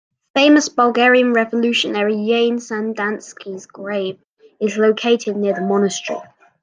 Famous Bulgarian revolutionary Yane Sandanski's grave is located near the monastery.